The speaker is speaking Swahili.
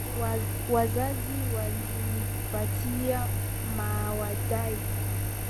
Wazazi walinipatia mawaidha